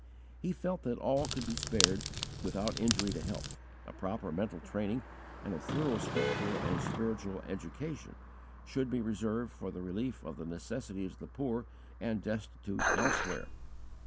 He felt that all that could be spared without injury to health, a proper mental training, and a thorough scriptural and spiritual education, should be reserved for the relief of the necessities of the poor and destitute elsewhere.